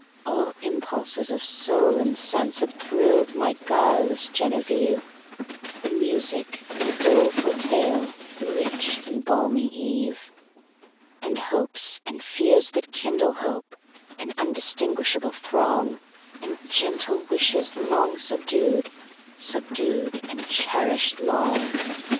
All impulses of soul and senseHad thrill'd my guileless Genevieve; The music and the doleful tale, The rich and balmy eve; And hopes, and fears that kindle hope, An undistinguishable throng, And gentle wishes long subdued, Subdued and cherish'd long!